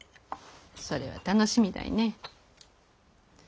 それは楽しみだいねえ。